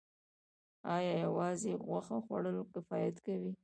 ایا یوازې غوښه خوړل کفایت کوي